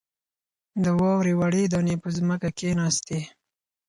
د واورې وړې دانې په ځمکه کښېناستې.